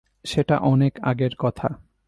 সেটা অনেক আগের কথা।